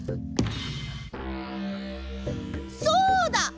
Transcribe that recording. そうだ！